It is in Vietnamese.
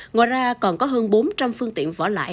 ngoài ra còn có hơn bốn trăm linh phương tiện vỏ lại